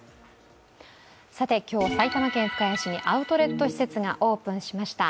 今日、埼玉県深谷市にアウトレット施設がオープンしました。